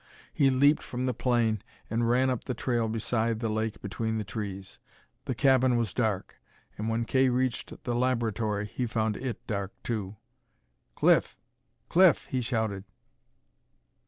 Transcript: He leaped from the plane and ran up the trail beside the lake between the trees. The cabin was dark; and, when Kay reached the laboratory he found it dark too. "Cliff! Cliff!" he shouted.